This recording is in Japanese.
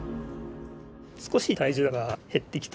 少し体重が減ってきた。